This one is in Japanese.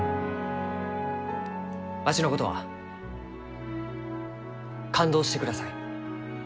わしのことは勘当してください。